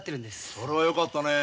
それはよかったねえ。